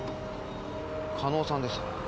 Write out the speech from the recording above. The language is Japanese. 加納さんです。